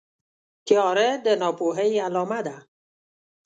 تیاره د ناپوهۍ علامه ده.